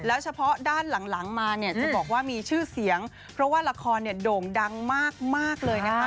เฉพาะด้านหลังมาเนี่ยจะบอกว่ามีชื่อเสียงเพราะว่าละครเนี่ยโด่งดังมากเลยนะคะ